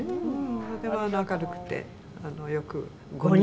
とても明るくてよく」「かわいい５人」